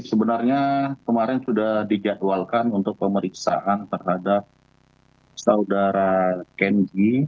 sebenarnya kemarin sudah dijadwalkan untuk pemeriksaan terhadap saudara kenji